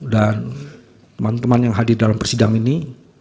dan teman teman yang hadir dalam persidang ini